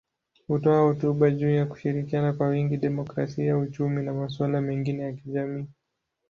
Hutoa hotuba juu ya kushirikiana kwa wingi, demokrasia, uchumi na masuala mengine ya kijamii.